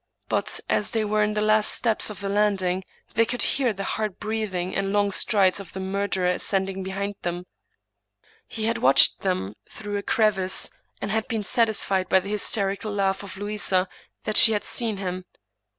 But, as they were on the last steps of the landing, they could hear the hard breathing and long strides of the murderer ascending behind them. He had watched them through a crevice, and had been satisfied by the hysterical laugh of Louisa that she 132 Thomas De Quincey had seen him.